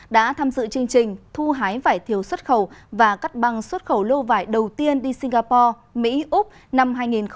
đã tham dự chương trình thu hái vải thiếu xuất khẩu và cắt băng xuất khẩu lô vải đầu tiên đi singapore mỹ úc năm hai nghìn hai mươi